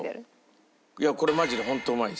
いやこれマジで本当うまいんですよ。